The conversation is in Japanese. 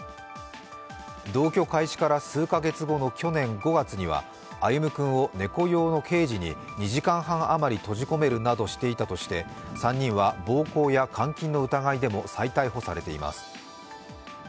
同居開始から数カ月後の去年５月には歩夢君を猫用のケージに２時間半あまり閉じ込めるなどしていたとして３人は暴行や監禁の疑いでも再逮捕されています。